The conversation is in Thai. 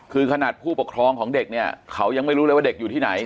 คือขนาดผู้ปกครองของเด็กเนี่ยเขายังไม่รู้เลยว่าเด็กอยู่ที่ไหน